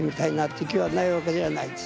いう気はないわけじゃあないです。